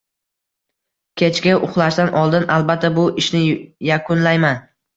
Kechga uxlashdan oldin albatta bu ishni yakunlayman